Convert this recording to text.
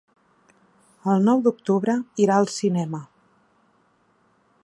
El nou d'octubre irà al cinema.